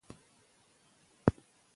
له پلرونو له نیکونو تعویذګر یم